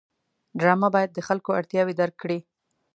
ډرامه باید د خلکو اړتیاوې درک کړي